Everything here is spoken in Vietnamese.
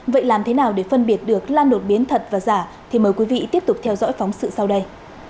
vậy làm thế nào để phân biệt được lan đột biến thật và giả thì mời quý vị tiếp tục theo dõi phóng sự sau đây